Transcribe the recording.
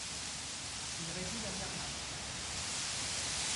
Il réside à Berlin.